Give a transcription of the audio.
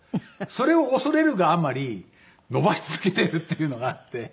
それを恐れるがあまり伸ばし続けてるっていうのがあって。